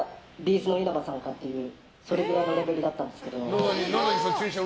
’ｚの稲葉さんかっていうくらいのレベルだったんですけど。